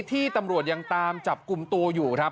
ที่ตำรวจยังตามจับกลุ่มตัวอยู่ครับ